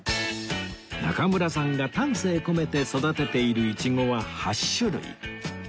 中村さんが丹精込めて育てているイチゴは８種類